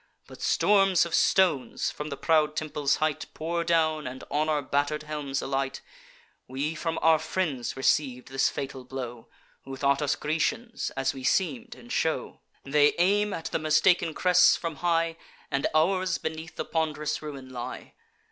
But storms of stones, from the proud temple's height, Pour down, and on our batter'd helms alight: We from our friends receiv'd this fatal blow, Who thought us Grecians, as we seem'd in show. They aim at the mistaken crests, from high; And ours beneath the pond'rous ruin lie.